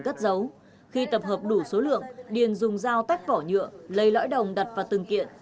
cất dấu khi tập hợp đủ số lượng điền dùng dao tách vỏ nhựa lấy lõi đồng đặt vào từng kiện